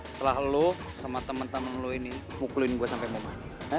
setelah lu sama temen temen lu ini mukulin gua sampe momen